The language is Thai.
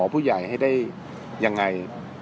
ผู้ใหญ่ให้ได้ยังไง